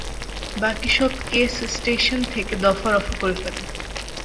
বাকি সব case station থেকে দফা-রফা করে ফেলো।